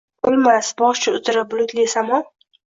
Bilmas, boshi uzra bulutli samo